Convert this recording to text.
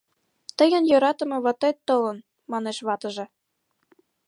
Тыйын йӧратыме ватет толын, — манеш ватыже.